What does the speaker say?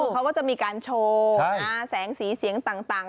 เขาก็จะมีการโชว์แสงสีเสียงต่าง